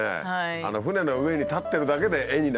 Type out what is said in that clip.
あの船の上に立ってるだけで絵になるし。